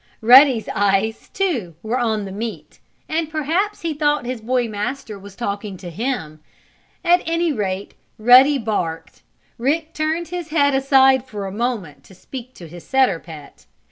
Ruddy's eyes, too, were on the meat, and perhaps he thought his boy master was talking to him. At any rate Ruddy barked, Rick turned his head aside for a moment to speak to his setter pet.